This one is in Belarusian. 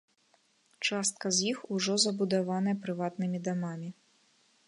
Частка з іх ўжо забудаваная прыватнымі дамамі.